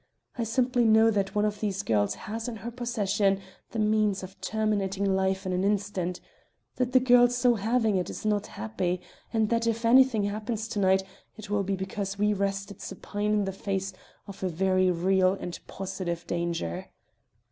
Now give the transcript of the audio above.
I simply know that one of these girls has in her possession the means of terminating life in an instant; that the girl so having it is not happy, and that if anything happens to night it will be because we rested supine in the face of a very real and possible danger.